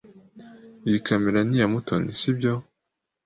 Iyi kamera ni iya Mutoni, sibyo?